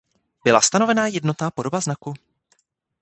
Byla stanovena jednotná podoba znaku.